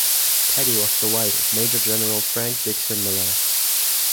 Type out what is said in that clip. Peggy was the wife of Major General Frank Dickson Miller.